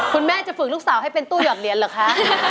คุณแม่จะฝึกลูกสาวให้เป็นตู้หยอดเหรียญเหรอคะ